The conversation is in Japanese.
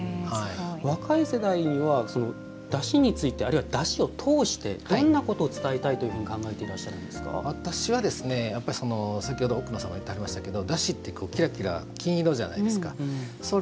若い世代は、だしについてあるいは、だしを通してどんなことを伝えたいというふうに私は、先ほど奥野さんも言ってはりましたけれどもだしって、きらきら金色じゃないですか。